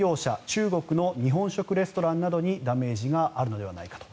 中国の日本食レストランなどにダメージがあるのではないかと。